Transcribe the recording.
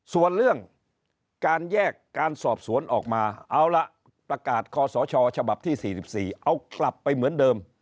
ส่วนเรื่องการแยกการสอบสวนออกมาเอาละประกาศคอสชฉบับที่๔๔เอากลับไปเหมือนเดิม